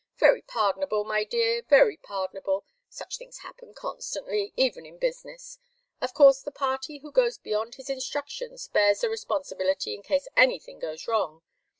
"Very pardonable, my dear, very pardonable. Such things happen constantly, even in business. Of course the party who goes beyond his instructions bears the responsibility in case anything goes wrong.